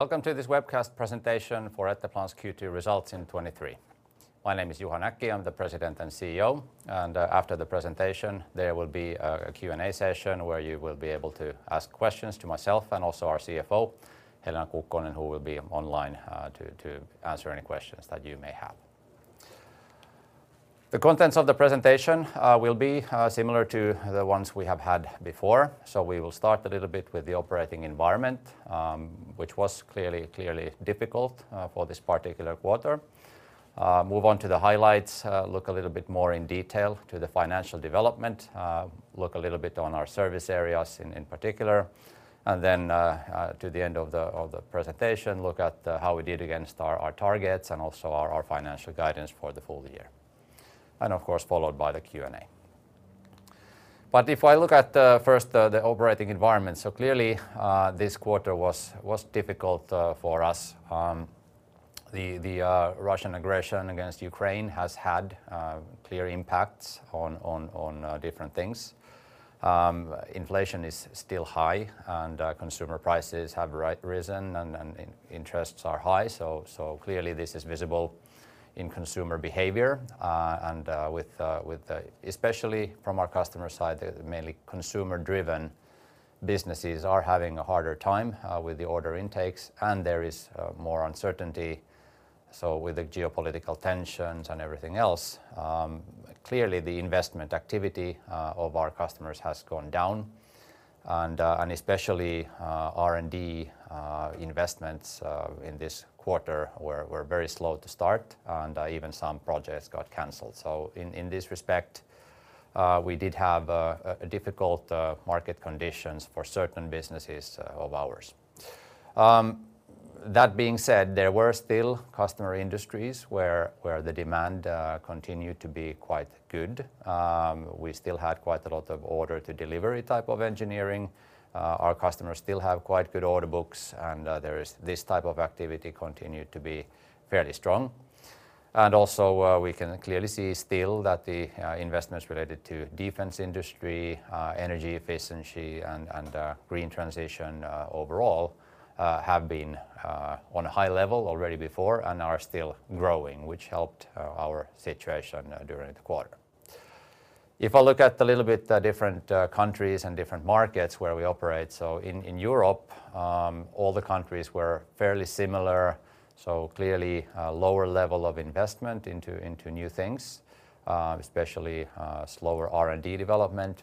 Welcome to this webcast presentation for Etteplan's Q2 results in 2023. My name is Juha Näkki, I'm the President and CEO, and after the presentation, there will be a Q&A session where you will be able to ask questions to myself and also our CFO, Helena Kukkonen, who will be online to answer any questions that you may have. The contents of the presentation will be similar to the ones we have had before. We will start a little bit with the operating environment, which was clearly, clearly difficult for this particular quarter. Move on to the highlights, look a little bit more in detail to the financial development, look a little bit on our service areas in particular. To the end of the presentation, look at how we did against our targets and also our financial guidance for the full year. Of course, followed by the Q&A. If I look at first, the operating environment, clearly this quarter was difficult for us. The Russian aggression against Ukraine has had clear impacts on different things. Inflation is still high, and consumer prices have risen, and interests are high. Clearly this is visible in consumer behavior, and Especially from our customer side, the mainly consumer-driven businesses are having a harder time with the order intakes, and there is more uncertainty. With the geopolitical tensions and everything else, clearly, the investment activity of our customers has gone down, and especially, R&D investments in this quarter were very slow to start, and even some projects got canceled. In this respect, we did have a difficult market conditions for certain businesses of ours. That being said, there were still customer industries where the demand continued to be quite good. We still had quite a lot of order-to-delivery type of engineering. Our customers still have quite good order, and there is this type of activity continued to be fairly strong. Also, we can clearly see still that the investments related to defense industry, energy efficiency, and Green Transition overall have been on a high level already before and are still growing, which helped our situation during the quarter. If I look at a little bit the different countries and different markets where we operate, so in Europe, all the countries were fairly similar, so clearly a lower level of investment into new things, especially slower R&D development.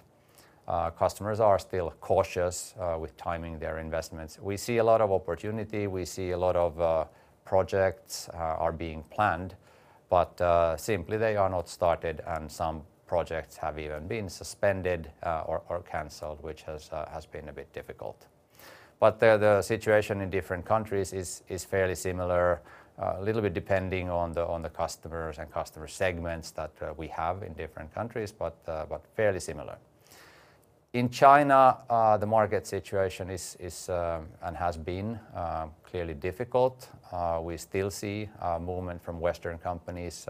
Customers are still cautious with timing their investments. We see a lot of opportunity, we see a lot of projects are being planned, but simply they are not started, and some projects have even been suspended or canceled, which has been a bit difficult. The situation in different countries is, is fairly similar, a little bit depending on the, on the customers and customer segments that we have in different countries, but, but fairly similar. In China, the market situation is, is, and has been, clearly difficult. We still see a movement from Western companies,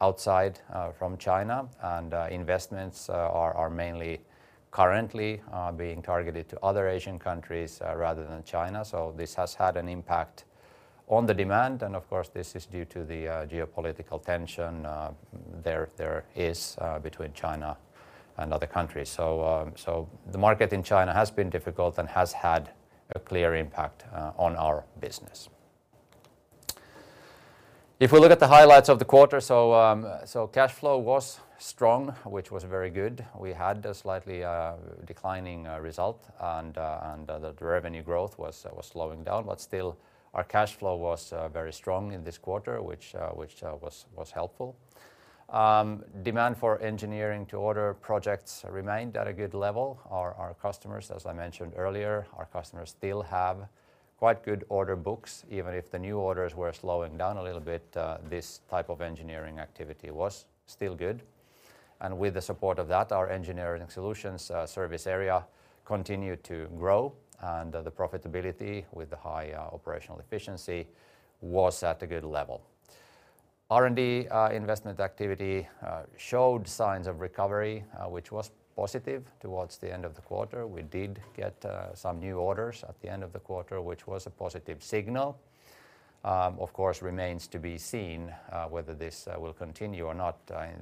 outside, from China, and investments are, are mainly currently, being targeted to other Asian countries, rather than China. This has had an impact on the demand, and of course, this is due to the geopolitical tension, there, there is, between China and other countries. The market in China has been difficult and has had a clear impact on our business. If we look at the highlights of the quarter, cash flow was strong, which was very good. We had a slightly declining result, and the revenue growth was slowing down, but still, our cash flow was very strong in this quarter, which was helpful. Demand for Engineer-to-Order projects remained at a good level. Our customers, as I mentioned earlier, our customers still have quite good order books. Even if the new orders were slowing down a little bit, this type of engineering activity was still good. With the support of that, our Engineering Solutions service area continued to grow, and the profitability with the high operational efficiency was at a good level. R&D investment activity showed signs of recovery, which was positive towards the end of the quarter. We did get some new orders at the end of the quarter, which was a positive signal. Of course, remains to be seen whether this will continue or not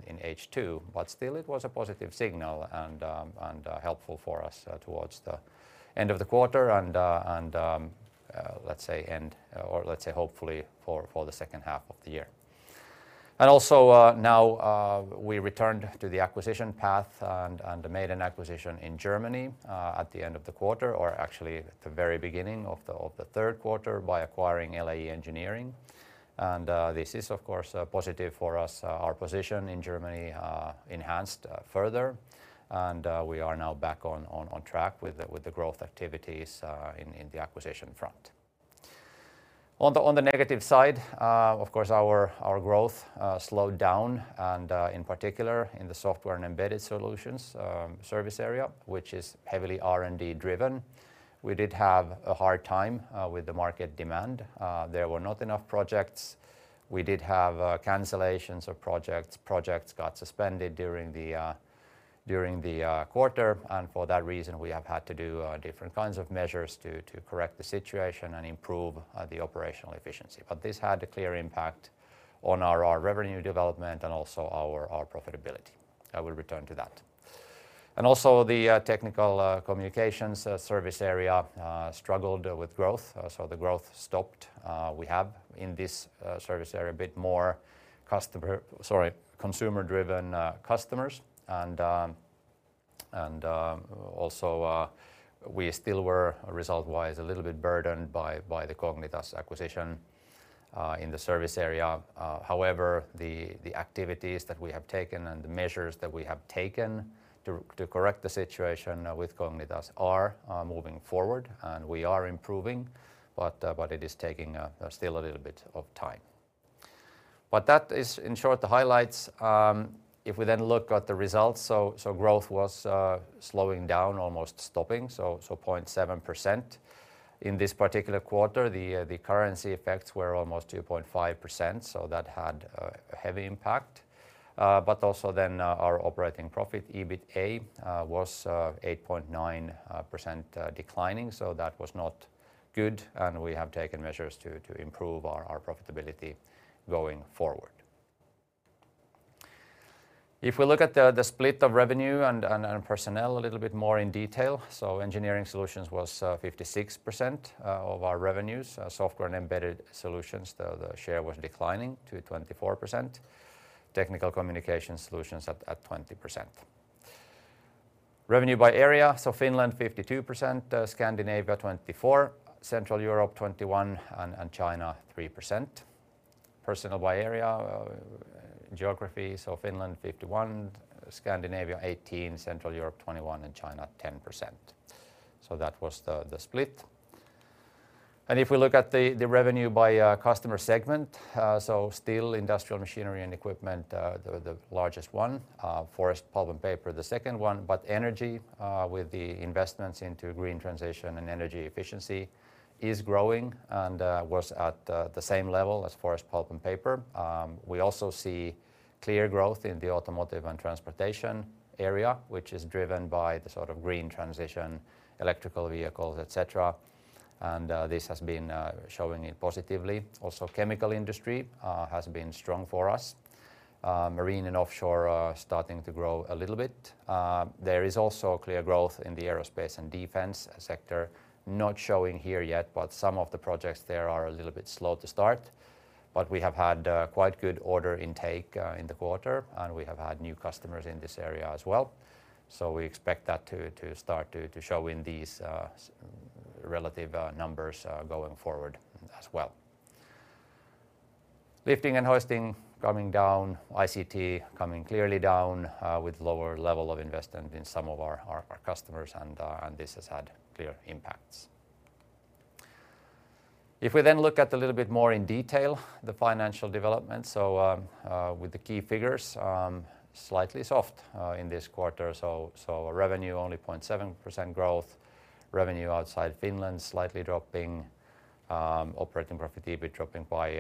in H2, but still it was a positive signal and and helpful for us towards the end of the quarter and and let's say end, or let's say, hopefully for, for the second half of the year. Also, now, we returned to the acquisition path and, and made an acquisition in Germany at the end of the quarter, or actually at the very beginning of the third quarter by acquiring LAE Engineering. This is, of course, positive for us. Our position in Germany enhanced further, and we are now back on, on, on track with the, with the growth activities in, in the acquisition front. On the, on the negative side, of course, our, our growth slowed down, and in particular, in the Software and Embedded Solutions service area, which is heavily R&D-driven. We did have a hard time with the market demand. There were not enough projects. We did have cancellations of projects. Projects got suspended during the during the quarter, and for that reason, we have had to do different kinds of measures to, to correct the situation and improve the operational efficiency. This had a clear impact on our, our revenue development and also our, our profitability. I will return to that. The Technical Communications service area struggled with growth, so the growth stopped. We have, in this service area, a bit more customer-- sorry, consumer-driven customers, and also, we still were, result-wise, a little bit burdened by the Cognitas acquisition in the service area. However, the activities that we have taken and the measures that we have taken to correct the situation with Cognitas are moving forward, and we are improving, but it is taking still a little bit of time. That is, in short, the highlights. If we then look at the results, so growth was slowing down, almost stopping, so 0.7%. In this particular quarter, the currency effects were almost 2.5%, that had a heavy impact. Also then, our operating profit, EBITA, was 8.9% declining, that was not good, and we have taken measures to improve our profitability going forward. If we look at the split of revenue and personnel a little bit more in detail, Engineering Solutions was 56% of our revenues. Software and Embedded Solutions, the share was declining to 24%. Technical Communication Solutions at 20%. Revenue by area, Finland, 52%, Scandinavia, 24%, Central Europe, 21%, China, 3%. Personnel by area, geography, Finland, 51%, Scandinavia, 18%, Central Europe, 21%, China, 10%. That was the split. If we look at the revenue by customer segment, so still Industrial Machinery and Equipment, the largest one, Forest, Pulp and Paper, the second one, but Energy, with the investments into Green Transition and energy efficiency, is growing and was at the same level as Forest, Pulp and Paper. We also see clear growth in the Automotive and Transportation area, which is driven by the sort of Green Transition, electrical vehicles, et cetera, and this has been showing it positively. Chemical Industry has been strong for us. Marine and Offshore are starting to grow a little bit. There is also clear growth in the Aerospace and Defense sector, not showing here yet, but some of the projects there are a little bit slow to start, but we have had quite good order intake in the quarter, and we have had new customers in this area as well, so we expect that to, to start to, to show in these relative numbers going forward as well. Lifting and Hoisting, coming down, ICT coming clearly down with lower level of investment in some of our, our, our customers, and this has had clear impacts. We look at a little bit more in detail, the financial development, with the key figures slightly soft in this quarter. Revenue, only 0.7% growth, revenue outside Finland, slightly dropping, operating profit, EBIT, dropping by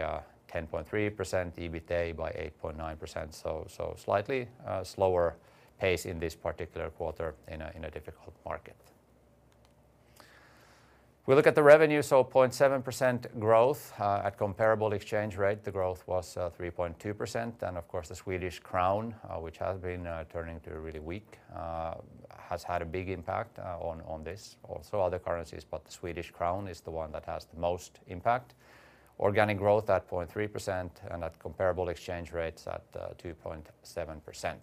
10.3%, EBITA by 8.9%, so slightly slower pace in this particular quarter in a difficult market. We look at the revenue, 0.7% growth. At comparable exchange rate, the growth was 3.2%. Of course, the Swedish Krona, which has been turning to really weak, has had a big impact on this. Also other currencies, but the Swedish Krona is the one that has the most impact. Organic growth at 0.3%. At comparable exchange rates at 2.7%.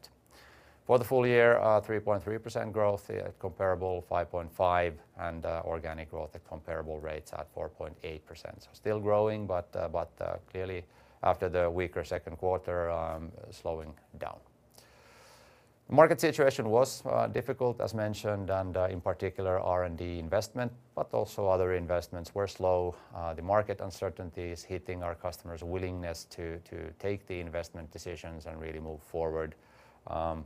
For the full year, 3.3% growth, at comparable, 5.5%, organic growth at comparable rates at 4.8%. Still growing, but, but, clearly, after the weaker second quarter, slowing down. Market situation was difficult, as mentioned, in particular, R&D investment, but also other investments were slow. The market uncertainty is hitting our customers' willingness to, to take the investment decisions and really move forward.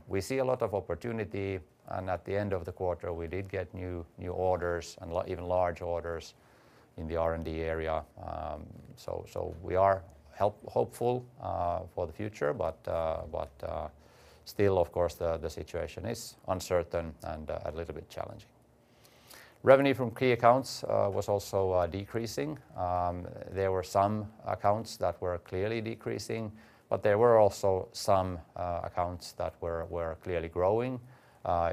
We see a lot of opportunity, at the end of the quarter, we did get new, new orders and even large orders in the R&D area. We are hopeful for the future, but, but, still, of course, the, the situation is uncertain and a little bit challenging. Revenue from key accounts was also decreasing. There were some accounts that were clearly decreasing, but there were also some accounts that were clearly growing,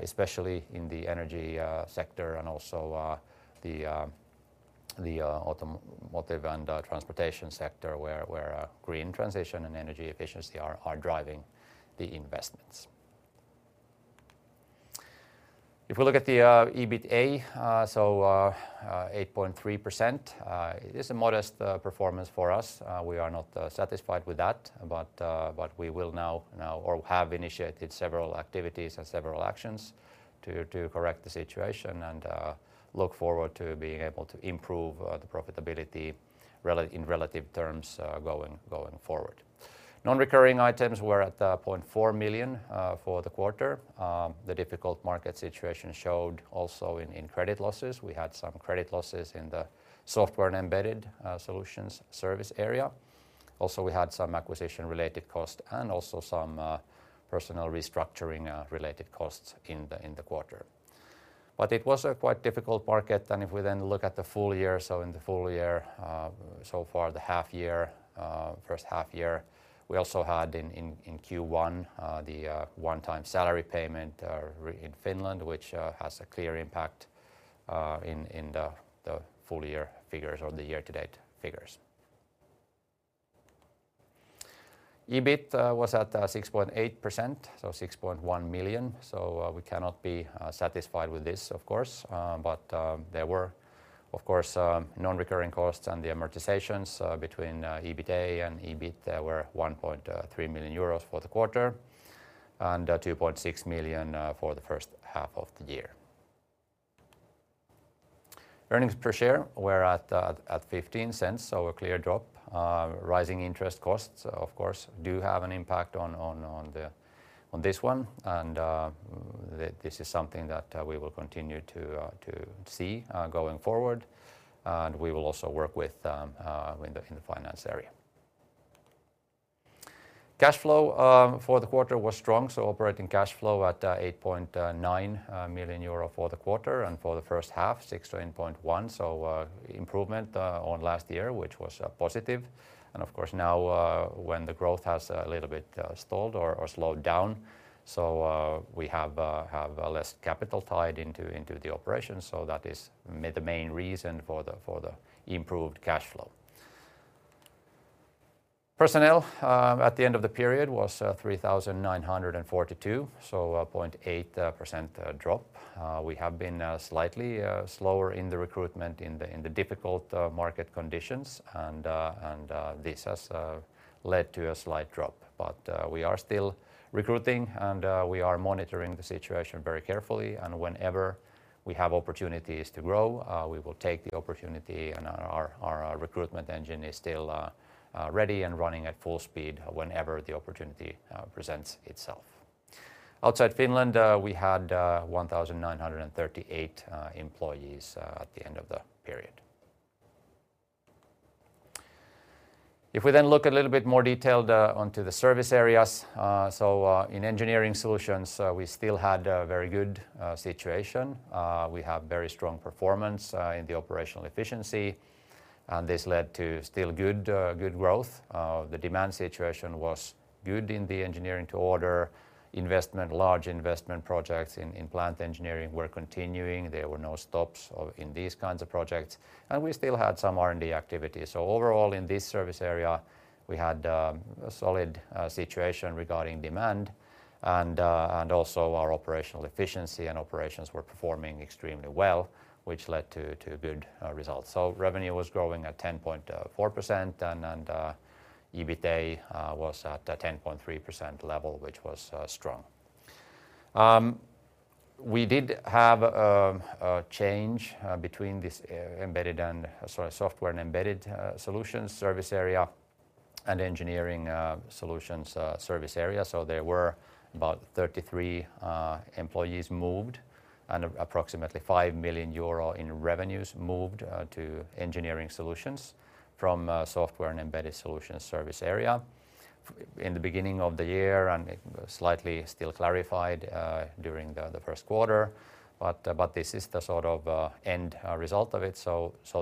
especially in the energy sector and also the Automotive and Transportation sector, where Green Transition and energy efficiency are driving the investments. If we look at the EBITA, 8.3%, it is a modest performance for us. We are not satisfied with that, but we will now, now or have initiated several activities and several actions to correct the situation and look forward to being able to improve the profitability in relative terms, going, going forward. Non-recurring items were at 0.4 million for the quarter. The difficult market situation showed also in credit losses. We had some credit losses in the Software and Embedded Solutions service area. Also, we had some acquisition-related costs and also some personnel restructuring related costs in the quarter. It was a quite difficult market. If we then look at the full year, in the full year, so far the half year, first half year, we also had in Q1 the one-time salary payment in Finland, which has a clear impact in the full year figures or the year-to-date figures. EBIT was at 6.8%, so 6.1 million. We cannot be satisfied with this, of course, but there were, of course, non-recurring costs and the amortizations between EBITA and EBIT were 1.3 million euros for the quarter and 2.6 million for the first half of the year. Earnings per share were at 0.15, so a clear drop. Rising interest costs, of course, do have an impact on this one, and this is something that we will continue to see going forward, and we will also work in the finance area. Cash flow for the quarter was strong, operating cash flow at 8.9 million euro for the quarter, and for the first half, 6.1 million. Improvement on last year, which was positive. Of course, now, when the growth has a little bit stalled or slowed down, we have less capital tied into the operations. That is the main reason for the improved cash flow. Personnel, at the end of the period was 3,942, so a 0.8% drop. We have been slightly slower in the recruitment in the difficult market conditions, and this has led to a slight drop. We are still recruiting, and we are monitoring the situation very carefully. Whenever we have opportunities to grow, we will take the opportunity and our, our, our recruitment engine is still ready and running at full speed whenever the opportunity presents itself. Outside Finland, we had 1,938 employees at the end of the period. If we look a little bit more detailed onto the service areas, so in Engineering Solutions, we still had a very good situation. We have very strong performance in the operational efficiency, and this led to still good good growth. The demand situation was good in the Engineer-to-Order. Investment, large investment projects in, in plant engineering were continuing. There were no stops in these kinds of projects, and we still had some R&D activities. Overall, in this service area, we had a solid situation regarding demand and also our operational efficiency and operations were performing extremely well, which led to good results. Revenue was growing at 10.4% and EBITA was at a 10.3% level, which was strong. We did have a change between this Software and Embedded Solutions service area and Engineering Solutions service area. There were about 33 employees moved and approximately 5 million euro in revenues moved to Engineering Solutions from Software and Embedded Solutions service area. In the beginning of the year, slightly still clarified during the first quarter, this is the sort of end result of it.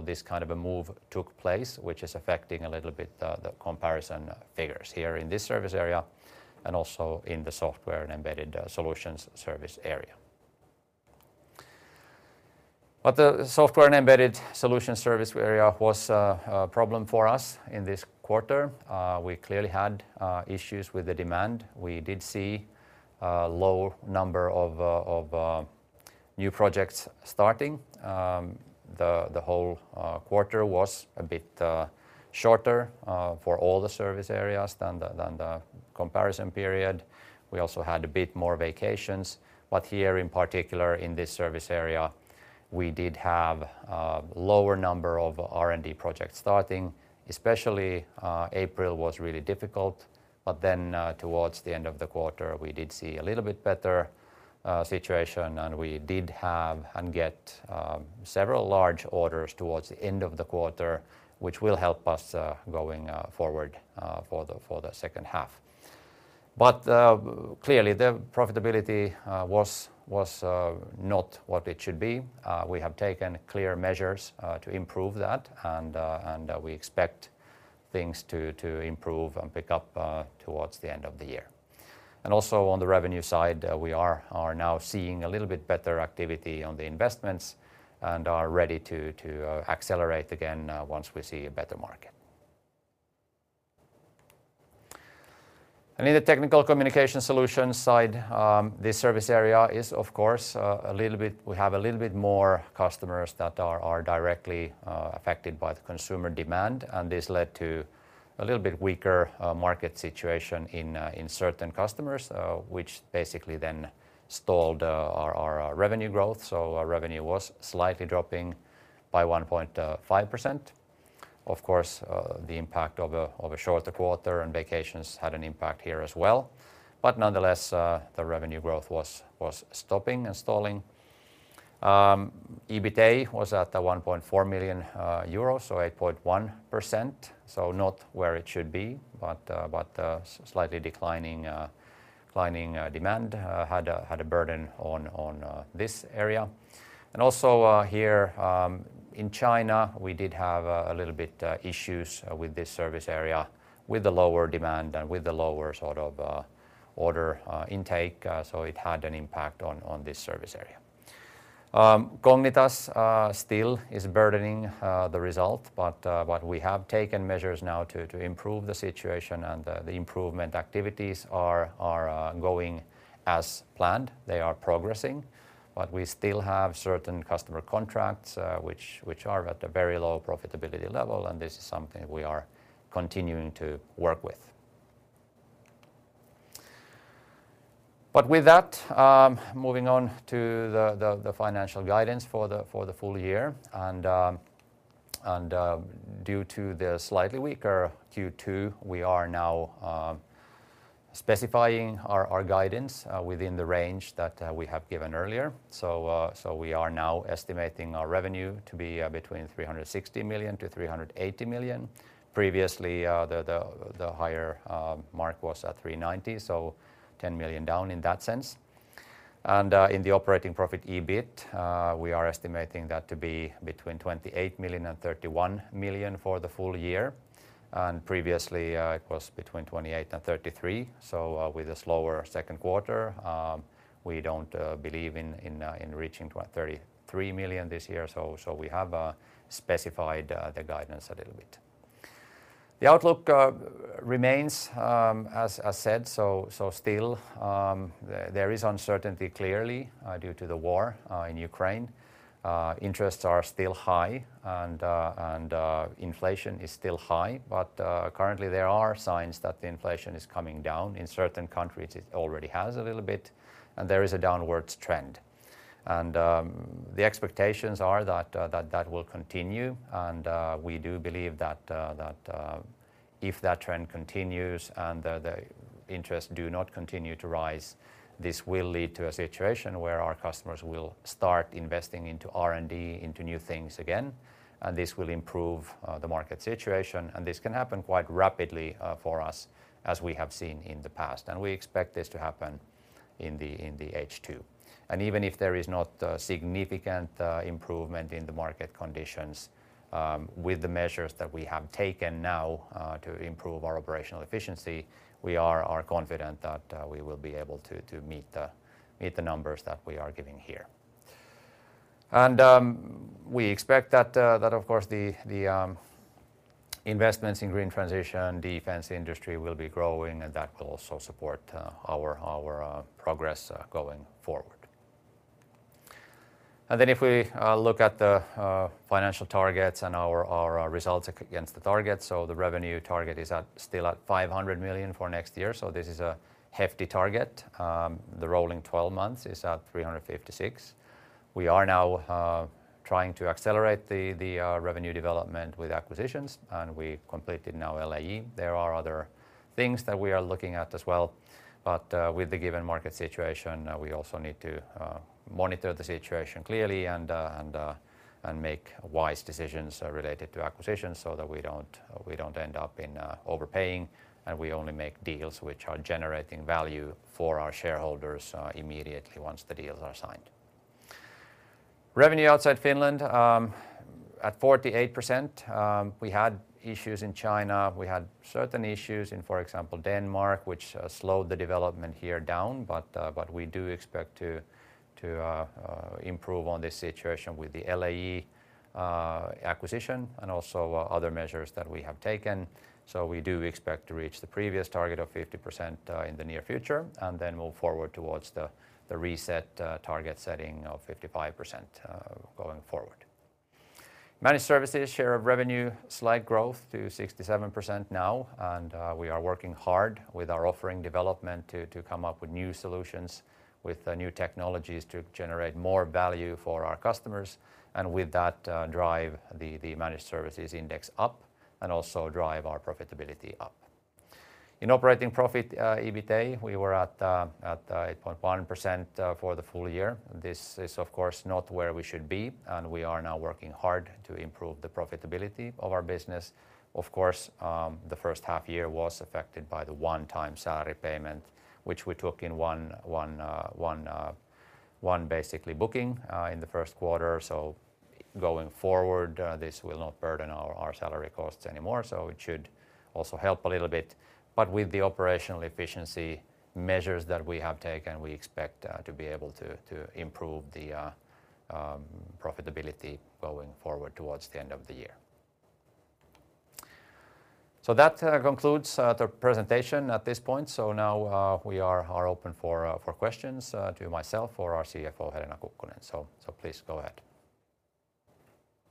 This kind of a move took place, which is affecting a little bit, the comparison figures here in this service area and also in the Software and Embedded Solutions service area. The Software and Embedded Solutions service area was a problem for us in this quarter. We clearly had issues with the demand. We did see a low number of new projects starting. The whole quarter was a bit shorter for all the service areas than the comparison period. We also had a bit more vacations, but here in particular, in this service area, we did have lower number of R&D projects starting. Especially, April was really difficult, but then, towards the end of the quarter, we did see a little bit better situation, and we did have and get several large orders towards the end of the quarter, which will help us going forward for the, for the second half. Clearly, the profitability was, was not what it should be. We have taken clear measures to improve that, and, and, we expect things to, to improve and pick up towards the end of the year. Also on the revenue side, we are, are now seeing a little bit better activity on the investments and are ready to, to accelerate again, once we see a better market. In the Technical Communication Solutions side, this service area is of course, we have a little bit more customers that are, are directly affected by the consumer demand, and this led to a little bit weaker market situation in certain customers, which basically then stalled our revenue growth. Our revenue was slightly dropping by 1.5%. Of course, the impact of a shorter quarter and vacations had an impact here as well, but nonetheless, the revenue growth was stopping and stalling. EBITA was at 1.4 million euros, so 8.1%. Not where it should be, but, but slightly declining, declining demand had a burden on, on this area. Here, in China, we did have a little bit issues with this service area, with the lower demand and with the lower sort of order intake. It had an impact on this service area. Cognitas still is burdening the result, we have taken measures now to improve the situation, and the improvement activities are going as planned. They are progressing, we still have certain customer contracts which are at a very low profitability level, and this is something we are continuing to work with. With that, moving on to the financial guidance for the full year. Due to the slightly weaker Q2, we are now specifying our guidance within the range that we have given earlier. We are now estimating our revenue to be between 360 million-380 million. Previously, the higher mark was at 390 million, so 10 million down in that sense. In the operating profit, EBIT, we are estimating that to be between 28 million and 31 million for the full year. Previously, it was between 28 million and 33 million. With a slower second quarter, we don't believe in reaching to a 33 million this year. We have specified the guidance a little bit. The outlook remains as said, still there is uncertainty clearly due to the war in Ukraine. Interests are still high. Inflation is still high, but currently there are signs that the inflation is coming down. In certain countries, it already has a little bit, and there is a downwards trend. The expectations are that that will continue. We do believe that if that trend continues and the interest do not continue to rise, this will lead to a situation where our customers will start investing into R&D, into new things again, and this will improve the market situation. This can happen quite rapidly for us as we have seen in the past, and we expect this to happen in the H2. Even if there is not a significant improvement in the market conditions, with the measures that we have taken now to improve our operational efficiency, we are confident that we will be able to meet the numbers that we are giving here. We expect that that of course, the investments in Green Transition, defense industry will be growing, and that will also support our progress going forward. If we look at the financial targets and our results against the targets, so the revenue target is still at 500 million for next year, so this is a hefty target. The rolling 12 months is at 356. We are now trying to accelerate the, the revenue development with acquisitions, and we completed now LAE. There are other things that we are looking at as well, but with the given market situation, we also need to monitor the situation clearly and and make wise decisions related to acquisitions so that we don't, we don't end up in overpaying, and we only make deals which are generating value for our shareholders immediately once the deals are signed. Revenue outside Finland at 48%, we had issues in China. We had certain issues in, for example, Denmark, which slowed the development here down, but we do expect to improve on this situation with the LAE acquisition and also other measures that we have taken. We do expect to reach the previous target of 50% in the near future, then move forward towards the reset target setting of 55% going forward. Managed Services share of revenue, slight growth to 67% now. We are working hard with our offering development to come up with new solutions, with new technologies to generate more value for our customers, and with that, drive the Managed Services index up and also drive our profitability up. In operating profit, EBITA, we were at 8.1% for the full year. This is, of course, not where we should be, and we are now working hard to improve the profitability of our business. Of course, the first half year was affected by the one-time salary payment, which we took in one basically booking in the first quarter. Going forward, this will not burden our salary costs anymore, so it should also help a little bit. With the operational efficiency measures that we have taken, we expect to be able to improve the profitability going forward towards the end of the year. That concludes the presentation at this point. Now, we are, are open for, for questions, to myself or our CFO, Helena Kukkonen. So please go ahead.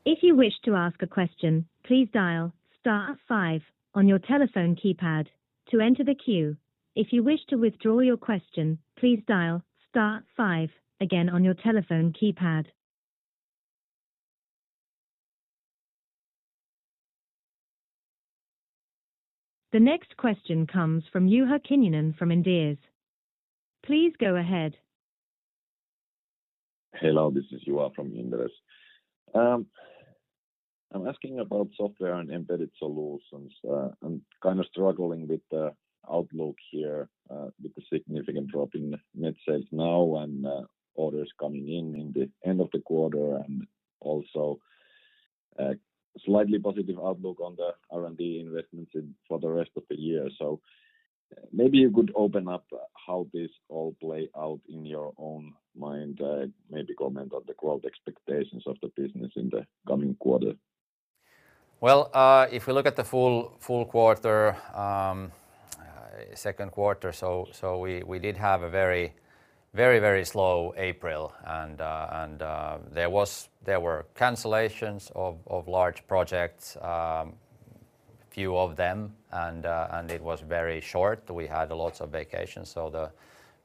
If you wish to ask a question, please dial star five on your telephone keypad to enter the queue. If you wish to withdraw your question, please dial star five again on your telephone keypad. The next question comes from Juha Kinnunen from Inderes. Please go ahead. Hello, this is Juha from Inderes. I'm asking about Software and Embedded Solutions. I'm kind of struggling with the outlook here, with the significant drop in net sales now and orders coming in in the end of the quarter, and also, slightly positive outlook on the R&D investments in, for the rest of the year. Maybe you could open up how this all play out in your own mind, maybe comment on the growth expectations of the business in the coming quarter. Well, if we look at the full, full quarter, second quarter, so we, we did have a very, very, very slow April. And, there were cancellations of, of large projects, few of them, and, and it was very short. We had lots of vacations, so the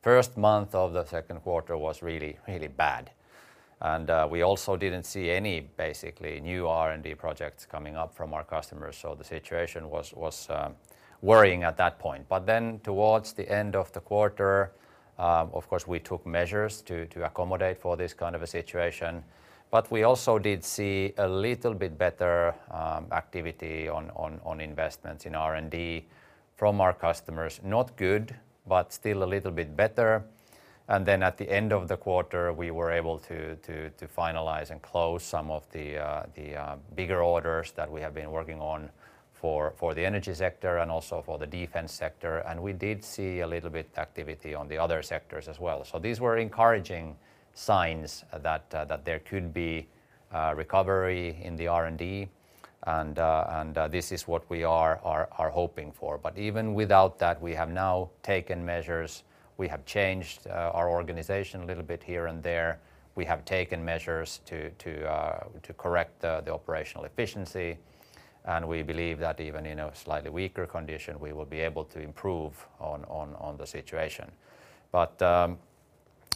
first month of the second quarter was really, really bad. We also didn't see any basically new R&D projects coming up from our customers, so the situation was, was, worrying at that point. Then towards the end of the quarter, of course, we took measures to, to accommodate for this kind of a situation. We also did see a little bit better, activity on, on, on investments in R&D from our customers. Not good, but still a little bit better. Then at the end of the quarter, we were able to, to, to finalize and close some of the, the bigger orders that we have been working on for, for the energy sector and also for the defense sector. We did see a little bit activity on the other sectors as well. These were encouraging signs that there could be a recovery in the R&D, and this is what we are, are, are hoping for. Even without that, we have now taken measures. We have changed our organization a little bit here and there. We have taken measures to, to correct the, the operational efficiency, and we believe that even in a slightly weaker condition, we will be able to improve on, on, on the situation.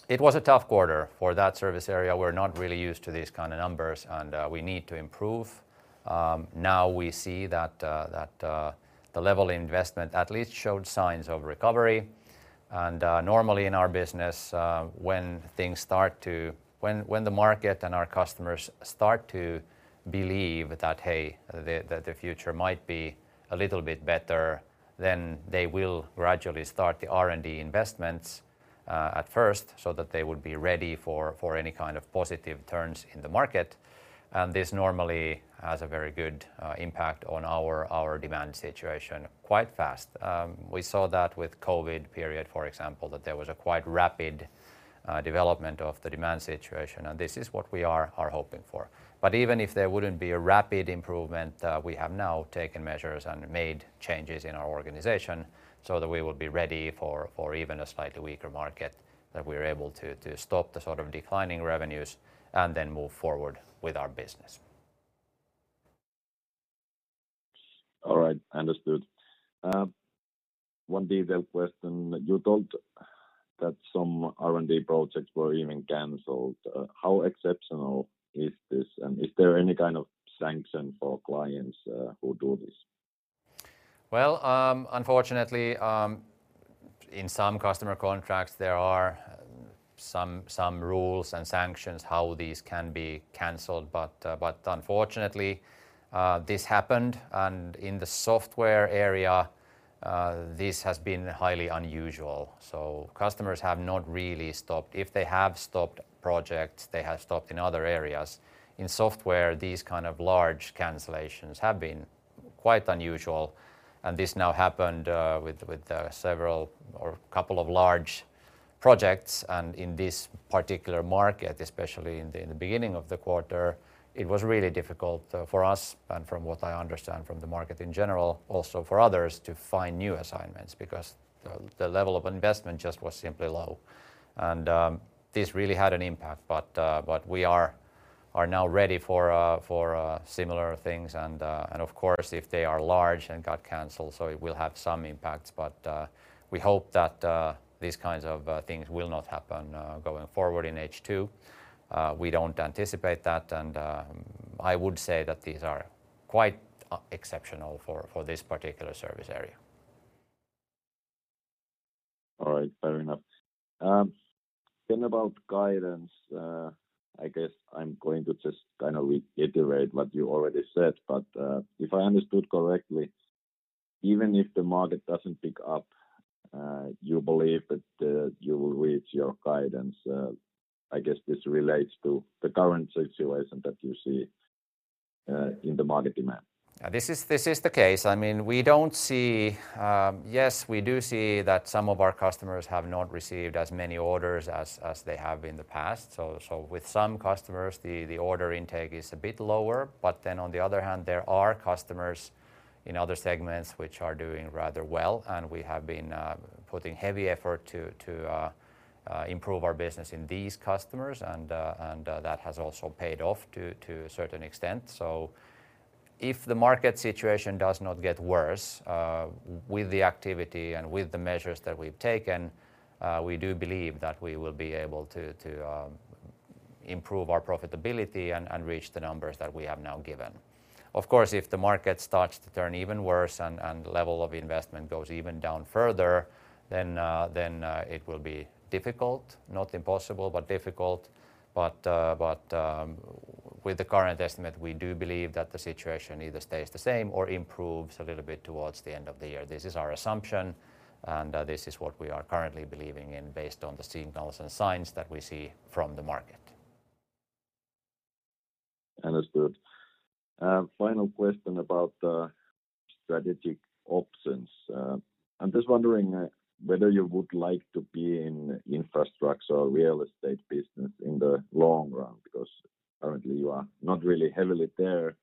It was a tough quarter for that service area. We're not really used to these kind of numbers, and we need to improve. Now we see that the level of investment at least showed signs of recovery. Normally in our business, when things when, when the market and our customers start to believe that, "Hey, the, the, the future might be a little bit better," then they will gradually start the R&D investments at first, so that they would be ready for, for any kind of positive turns in the market. This normally has a very good impact on our, our demand situation quite fast. We saw that with COVID period, for example, that there was a quite rapid development of the demand situation, and this is what we are, are hoping for. Even if there wouldn't be a rapid improvement, we have now taken measures and made changes in our organization so that we will be ready for, for even a slightly weaker market, that we're able to, to stop the sort of declining revenues and then move forward with our business. All right. Understood. One detail question: You told that some R&D projects were even canceled. How exceptional is this? Is there any kind of sanction for clients, who do this? Well, unfortunately, in some customer contracts, there are some, some rules and sanctions how these can be canceled, but, but unfortunately, this happened. In the software area, this has been highly unusual, so customers have not really stopped. If they have stopped projects, they have stopped in other areas. In software, these kind of large cancellations have been quite unusual, and this now happened with, with several or couple of large projects. In this particular market, especially in the, in the beginning of the quarter, it was really difficult for us, and from what I understand from the market in general, also for others to find new assignments because the, the level of investment just was simply low. This really had an impact, but, but we are, are now ready for, for similar things. Of course, if they are large and got canceled, so it will have some impacts. We hope that these kinds of things will not happen going forward in H2. We don't anticipate that, and I would say that these are quite exceptional for this particular service area. All right. Fair enough. Then about guidance, I guess I'm going to just kind of reiterate what you already said, but, if I understood correctly, even if the market doesn't pick up, you believe that, you will reach your guidance? I guess this relates to the current situation that you see, in the market demand. This is, this is the case. I mean, we don't see... Yes, we do see that some of our customers have not received as many orders as, as they have in the past. With some customers, the, the order intake is a bit lower. Then on the other hand, there are customers in other segments which are doing rather well, and we have been putting heavy effort to, to improve our business in these customers. That has also paid off to, to a certain extent. If the market situation does not get worse, with the activity and with the measures that we've taken, we do believe that we will be able to, to improve our profitability and, and reach the numbers that we have now given. Of course, if the market starts to turn even worse and, and the level of investment goes even down further, then, then, it will be difficult, not impossible, but difficult. With the current estimate, we do believe that the situation either stays the same or improves a little bit towards the end of the year. This is our assumption, and this is what we are currently believing in based on the signals and signs that we see from the market. Understood. Final question about the strategic options. I'm just wondering whether you would like to be in infrastructure or real estate business in the long run, because currently you are not really heavily there,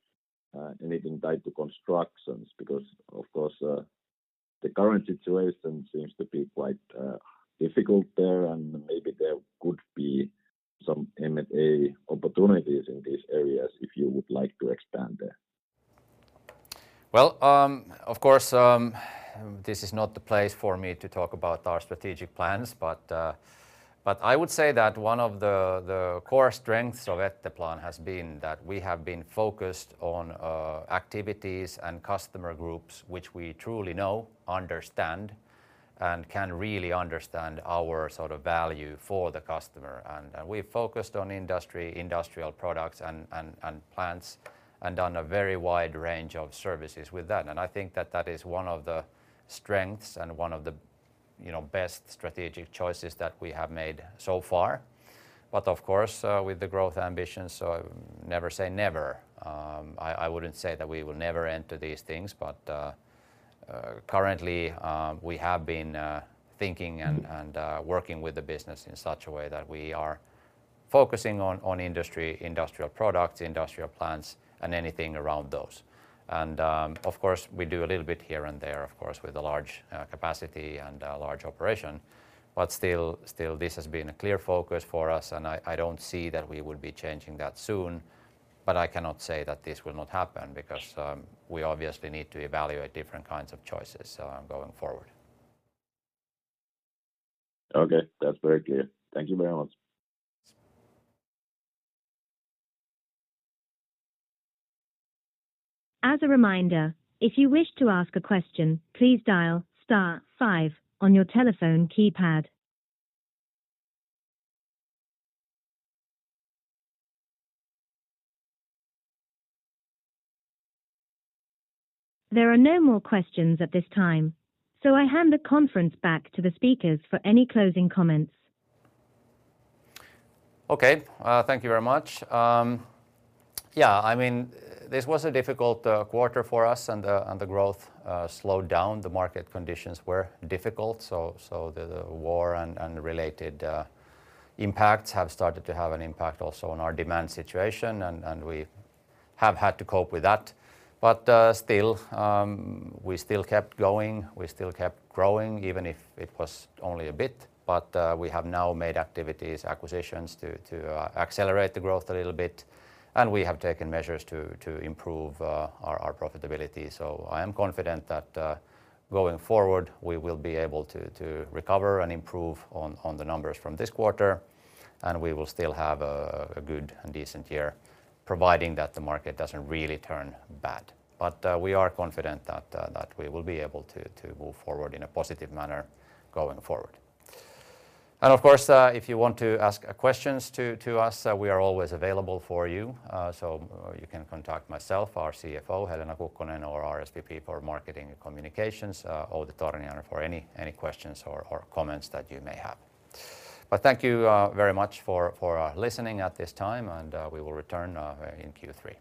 anything tied to constructions, because, of course, the current situation seems to be quite difficult there, and maybe there could be some M&A opportunities in these areas if you would like to expand there. Well, of course, this is not the place for me to talk about our strategic plans, but I would say that one of the, the core strengths of Etteplan has been that we have been focused on activities and customer groups, which we truly know, understand, and can really understand our sort of value for the customer. We've focused on industry- industrial products and, and, and plants, and on a very wide range of services with that. I think that that is one of the strengths and one of the, you know, best strategic choices that we have made so far. Of course, with the growth ambitions, so never say never. I, I wouldn't say that we will never enter these things, but currently, we have been thinking and, and working with the business in such a way that we are focusing on, on industry, industrial products, industrial plants, and anything around those. Of course, we do a little bit here and there, of course, with a large capacity and a large operation, but still, still, this has been a clear focus for us, and I, I don't see that we would be changing that soon, but I cannot say that this will not happen because we obviously need to evaluate different kinds of choices going forward. Okay, that's very clear. Thank you very much. As a reminder, if you wish to ask a question, please dial star five on your telephone keypad. There are no more questions at this time, I hand the conference back to the speakers for any closing comments. Okay, thank you very much. Yeah, I mean, this was a difficult quarter for us, and the, and the growth slowed down. The market conditions were difficult, so, so the war and, and related impacts have started to have an impact also on our demand situation, and, and we have had to cope with that. Still, we still kept going, we still kept growing, even if it was only a bit, but we have now made activities, acquisitions to, to accelerate the growth a little bit, and we have taken measures to, to improve our, our profitability. I am confident that going forward, we will be able to recover and improve on the numbers from this quarter, and we will still have a good and decent year, providing that the market doesn't really turn bad. We are confident that we will be able to move forward in a positive manner going forward. Of course, if you want to ask questions to us, we are always available for you. So you can contact myself, our CFO, Helena Kukkonen, or our SVP for Marketing and Communications, Outi Torniainen, for any questions or comments that you may have. Thank you very much for listening at this time, and we will return in Q3.